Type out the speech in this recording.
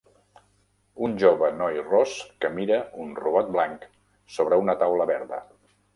Un jove noi ros que mira un robot blanc sobre una taula verda.